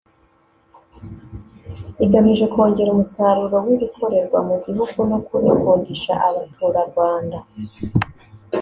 igamije kongera umusaruro w’ibikorerwa mu gihugu no kubikundisha Abaturarwanda